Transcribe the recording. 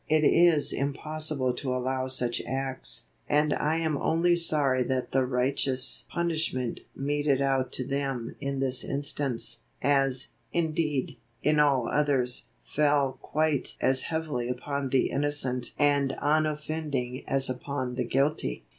"It is impossible to allow such acts, and I am only sorry that the righteous punishment meted out to them in this instance, as, indeed, in all others, fell quite as heavily upon the innocent and unoffending as upon the guilty.